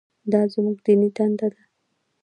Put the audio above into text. دا زموږ دیني دنده ده.